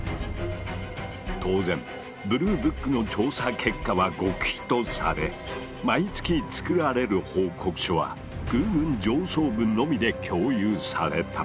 当然ブルーブックの調査結果は極秘とされ毎月作られる報告書は空軍上層部のみで共有された。